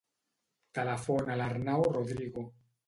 Telefona a l'Arnau Rodrigo.